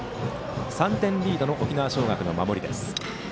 ３点リードの沖縄尚学の守りです。